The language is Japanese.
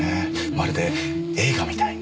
まるで映画みたいに。